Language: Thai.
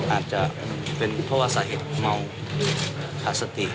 อาจจะเป็นเพราะว่าสาเหตุเมาขาดสติ